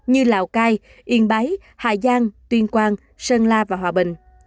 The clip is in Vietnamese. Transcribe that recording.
như lào cai yên bái hà giang tuyên quang sơn la và hòa bình